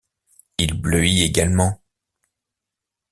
Il bleuit également.